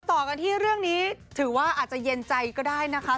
ต่อกันที่เรื่องนี้ถือว่าอาจจะเย็นใจก็ได้นะคะ